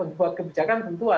ya pembuat kebijakan untuk siapa